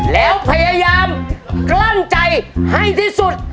แล้วพยายามกลั้นใจให้ที่สุด